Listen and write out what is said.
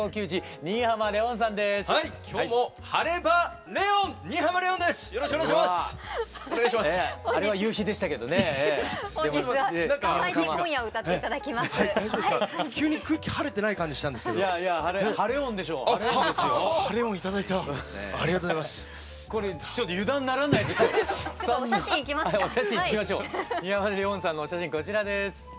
新浜レオンさんのお写真こちらです。